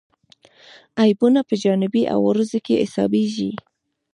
عیبونه په جانبي عوارضو کې حسابېږي.